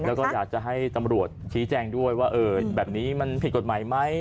แล้วก็อยากจะให้ตำรวจชี้แจงด้วยว่าแบบนี้มันผิดกฎหมายไหม